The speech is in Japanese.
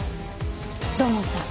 土門さん。